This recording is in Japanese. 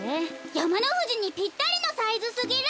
やまのふじにぴったりのサイズすぎる！